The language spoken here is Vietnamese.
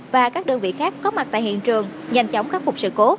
và các đơn vị khác có mặt tại hiện trường nhanh chóng khắc phục sự cố